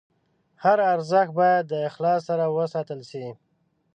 هر ارزښت باید د اخلاص سره وساتل شي.